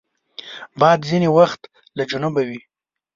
باد ځینې وخت له جنوبه وي